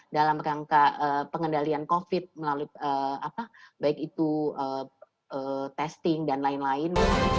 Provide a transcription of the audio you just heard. dalam rangka pengendalian covid melalui baik itu testing dan lain lain